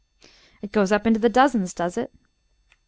"It goes up into the dozens, does it?"